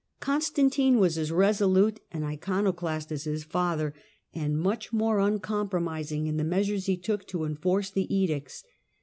Constantine was as resolute an Icono last as his father, and much more uncompromising in he measures he took to enforce the edicts.